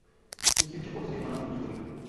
Usimchokoze mwanangu mzuri.